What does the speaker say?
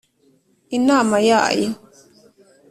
inama yayo